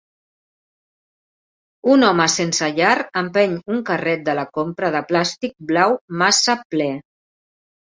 Un home sense llar empeny un carret de la compra de plàstic blau massa ple.